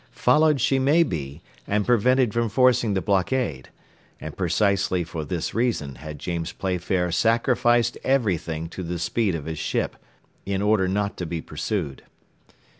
Followed she might be, and prevented from forcing the blockade, and precisely for this reason had James Playfair sacrificed everything to the speed of his ship, in order not to be pursued.